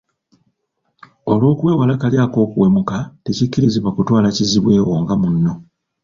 Olw’okwewala kali ak’okuwemuka tekikkirizibwa kutwala kizibwe wo nga munno.